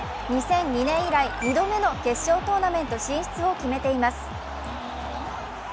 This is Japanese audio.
２００２年以来２度目の決勝トーナメント進出を決めています。